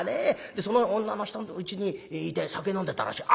でその女の人のうちにいて酒飲んでたらしい。